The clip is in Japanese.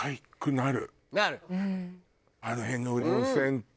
なる。